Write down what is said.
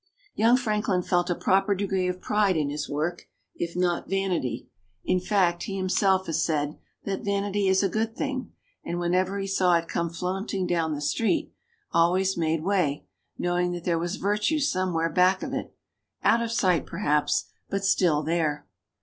Young Franklin felt a proper degree of pride in his work, if not vanity. In fact, he himself has said that vanity is a good thing, and whenever he saw it come flaunting down the street, always made way, knowing that there was virtue somewhere back of it out of sight perhaps, but still there.